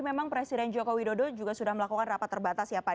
memang presiden joko widodo juga sudah melakukan rapat terbatas ya pak